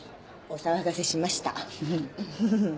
お騒がせしました。